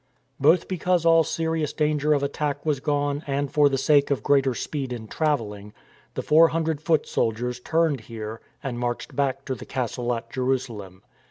Both because all serious danger of attack was gone and for the sake of greater speed in travelling, the four hundred foot soldiers turned here and marched back to the castle at Jerusalem.